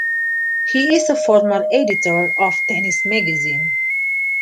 He is a former editor of "Tennis Magazine".